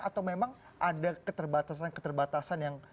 atau memang ada keterbatasan keterbatasan yang